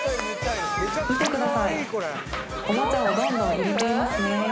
見てくださいえ